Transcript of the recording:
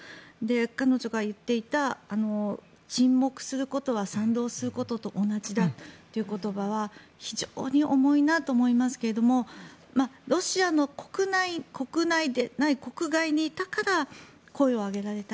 彼女が言っていた沈黙することは賛同することと同じだという言葉は非常に重いなと思いますけれどもロシアの国内、国外にいたから声を上げられた。